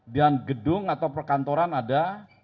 dan gedung atau perkantoran ada tiga belas